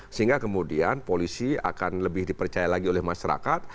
sehingga kemudian polisi akan lebih dipercaya lagi oleh masyarakat